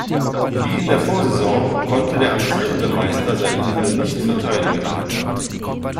Wie in der Vorsaison konnte der amtierende Meister seinen Titel nicht verteidigen.